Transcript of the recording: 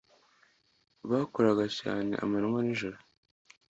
Bakoraga cyane amanywa n'ijoro.